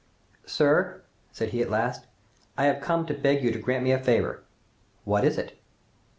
"Sir," said he at last, "I have come to beg you to grant me a favor." "What is it?"